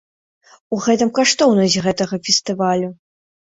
У гэтым каштоўнасць гэтага фестывалю.